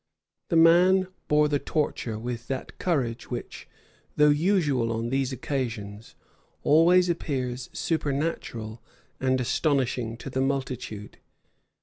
The man bore the torture with that courage which, though usual on these occasions, always appears supernatural and astonishing to the multitude.